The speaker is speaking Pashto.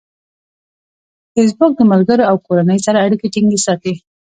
فېسبوک د ملګرو او کورنۍ سره اړیکې ټینګې ساتي.